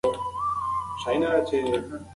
نشه يي توکي جګړه تمویلوي.